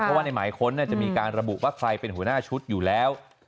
เพราะว่าในหมายค้นจะมีการระบุว่าใครเป็นหัวหน้าชุดอยู่แล้ว